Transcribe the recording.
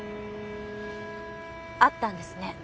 あったんですね？